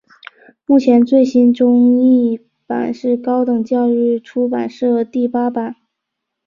目前最新中译版是高等教育出版社第八版。